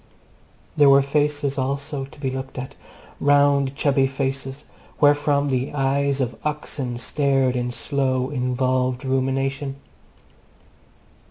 There were faces also to be looked at: round chubby faces wherefrom the eyes of oxen stared in slow, involved rumination.